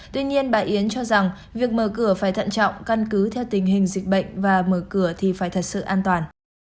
tuy nhiên bà yến cho rằng việc mở cửa phải thận trọng căn cứ theo tình hình dịch bệnh và mở cửa thì phải thật sự an toàn